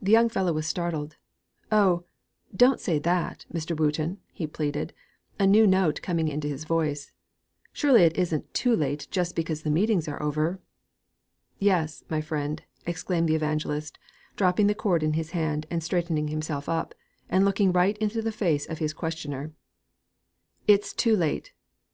The young fellow was startled. 'Oh, don't say that, Mr. Wooton!' he pleaded, a new note coming into his voice. 'Surely it isn't too late just because the meetings are over?' 'Yes, my friend,' exclaimed the evangelist, dropping the cord in his hand, straightening himself up, and looking right into the face of his questioner, 'it's too late!